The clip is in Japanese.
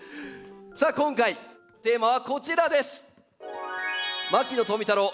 さあ今回テーマはこちらです！